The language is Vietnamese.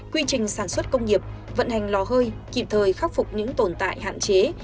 quy trình sản xuất công nghiệp vận hành lò hơi kịp thời khắc phục những tồn tại hạn chế